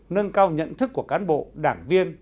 nâng cao nhận thức của cán bộ đảng viên